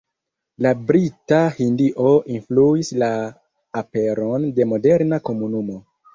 La Brita Hindio influis la aperon de moderna komunumo.